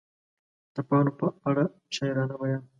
د پاڼو په اړه شاعرانه بیان